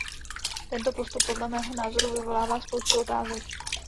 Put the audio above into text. Tento postup podle mého názoru vyvolává spoustu otázek.